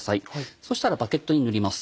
そしたらバゲットに塗ります。